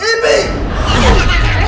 tunggu tunggu tunggu